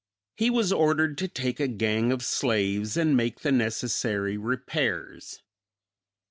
He was ordered to take a gang of slaves and make the necessary repairs.